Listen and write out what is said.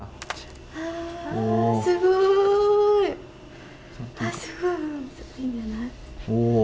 すごい。